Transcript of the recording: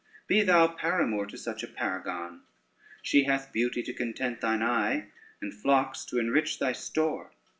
Be thou paramour to such a paragon: she hath beauty to content thine eye, and flocks to enrich thy store.